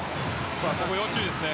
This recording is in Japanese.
ここは要注意ですね。